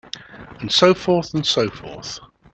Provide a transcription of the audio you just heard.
And so forth and so forth.